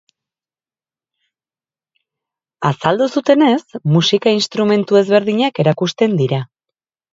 Azaldu zutenez, musika instrumentu ezberdinak erakusten dira.